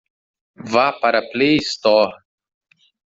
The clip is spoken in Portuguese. Vá para a Play Store.